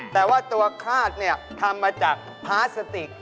แต่ว่าตัวคาดเนี่ยทำมาจากพลาสติก